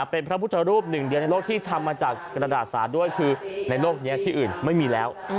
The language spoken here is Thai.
เป็นพระพุทธรูปหนึ่งเดียวในโลกที่ทำมาจากกระดาษศาสตร์ด้วยคือในโลกนี้ที่อื่นไม่มีแล้ว